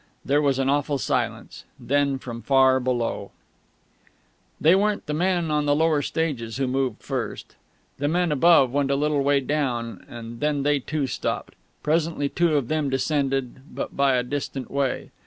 There was an awful silence; then, from far below ...They weren't the men on the lower stages who moved first. The men above went a little way down, and then they too stopped. Presently two of them descended, but by a distant way.